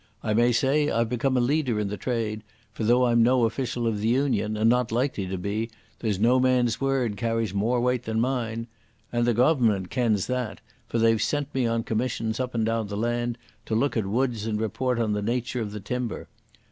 I may say I've become a leader in the trade, for though I'm no an official of the Union, and not likely to be, there's no man's word carries more weight than mine. And the Goavernment kens that, for they've sent me on commissions up and down the land to look at wuds and report on the nature of the timber.